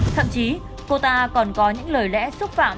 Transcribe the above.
thậm chí cô ta còn có những lời lẽ xúc phạm